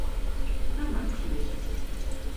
Namme kieze.